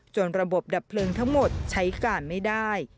ระบบดับเพลิงทั้งหมดใช้การไม่ได้